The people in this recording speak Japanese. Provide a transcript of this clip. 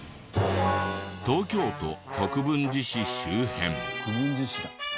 東京都国分寺市周辺。